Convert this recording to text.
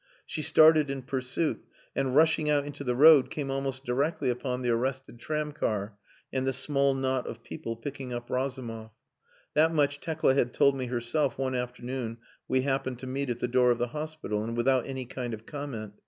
She started in pursuit, and rushing out into the road, came almost directly upon the arrested tramcar and the small knot of people picking up Razumov. That much Tekla had told me herself one afternoon we happened to meet at the door of the hospital, and without any kind of comment.